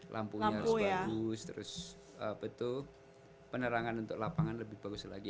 lampunya harus bagus terus penerangan untuk lapangan lebih bagus lagi